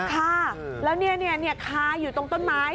ค่ะแล้วคาอยู่ตรงต้นไม้